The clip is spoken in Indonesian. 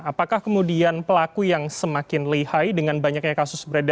apakah kemudian pelaku yang semakin lihai dengan banyaknya kasus beredar